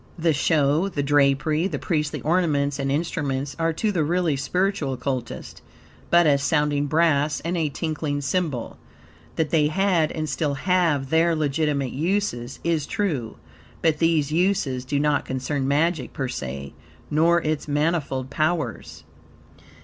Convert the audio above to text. The show, the drapery, the priestly ornaments and instruments, are to the really spiritual Occultist, but, as sounding brass and a tinkling cymbal. That they had, and still have, their legitimate uses, is true, but these uses do not concern magic, per se, nor its manifold powers.